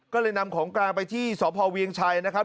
ก็เลยนำของกลางไปที่สพเวียงชัยนะครับ